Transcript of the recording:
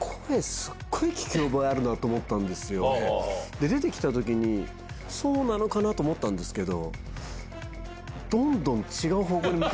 で出てきた時そうなのかな？と思ったんですけど。